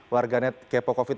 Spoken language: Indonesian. warganya kepo covid sembilan belas